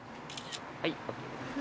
はいＯＫです。